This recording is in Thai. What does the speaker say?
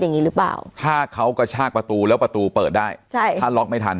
อย่างนี้หรือเปล่าถ้าเขากระชากประตูแล้วประตูเปิดได้ใช่ค่ะถ้าล็อกไม่ทัน